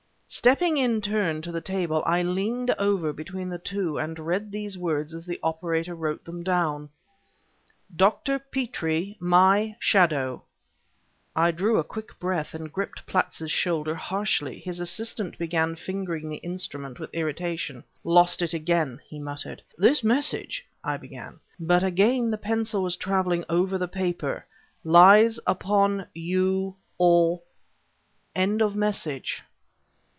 Stepping in turn to the table, I leaned over between the two and read these words as the operator wrote them down: Dr. Petrie my shadow... I drew a quick breath and gripped Platts' shoulder harshly. His assistant began fingering the instrument with irritation. "Lost it again!" he muttered. "This message," I began... But again the pencil was traveling over the paper: lies upon you all... end of message.